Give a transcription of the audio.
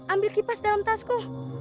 ambil kipas dalam tasku